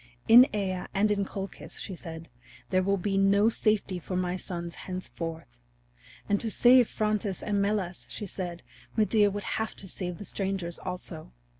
"In Aea and in Colchis," she said, "there will be no safety for my sons henceforth." And to save Phrontis and Melas, she said, Medea would have to save the strangers also.